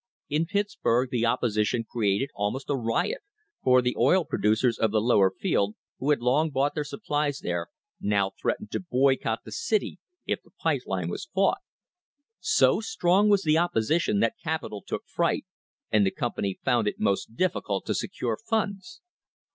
In Pittsburg the opposition created almost a riot, for the oil producers of the Lower Field, who had long bought their supplies there, now threatened to boycott the city if the pipe line was fought. So strong was the opposition that capital took fright and the company found it most difficult to secure funds.